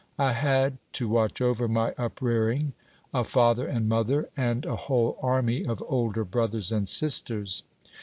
I had, to watch over my uprearing, a father and mother, and a whole army of older brothers and sisters.